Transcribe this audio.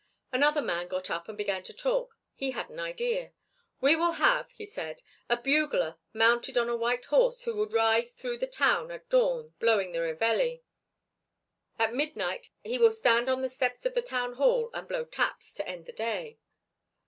Another man got up and began to talk. He had an idea. "We will have," he said, "a bugler mounted on a white horse who will ride through the town at dawn blowing the reveille. At midnight he will stand on the steps of the town hall and blow taps to end the day."